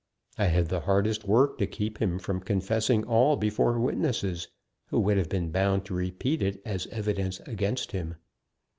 I had the hardest work to keep him from confessing all before witnesses, who would have been bound to repeat it as evidence against him.